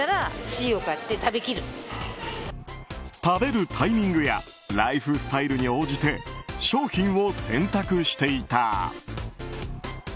食べるタイミングやライフスタイルに応じて商品を選択していた。